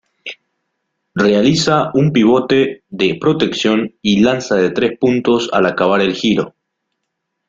Realiza un pivote de protección y lanza de tres puntos al acabar el giro.